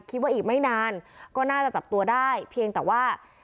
คิดว่าอีกไม่นานก็น่าจะจับตัวได้เพียงแต่ว่า